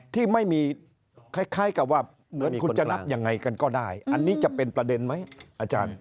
ที่ไม่มีคล้ายกับว่าเหมือนคุณจะนับยังไงกันก็ได้อันนี้จะเป็นประเด็นไหมอาจารย์